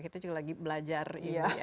kita juga lagi belajar ya